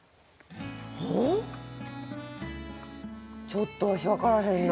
ちょっとわし分からへんな。